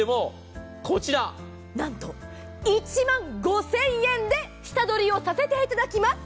なんと１万５００００円で下取りさせていただきます。